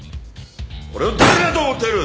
俺を誰だと思ってる！